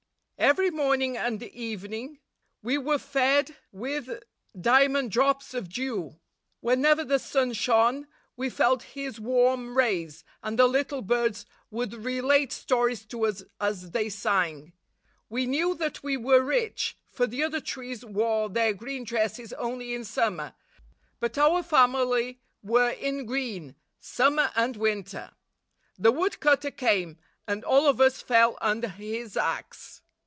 Every morning and evening we were fed with diamond drops of dew. Whenever the sun shone, we felt his warm rays, and the little birds would relate stories to us as they sang. We knew that we were rich, for the other trees wore their green dresses only in summer, but our family were in green summer and winter. The wood cutter came, and all of us fell under his ax.